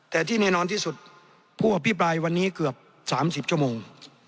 แต่ที่แน่นอนที่สุดผู้อภิปรายวันนี้เกือบ๓๐ชั่วโมง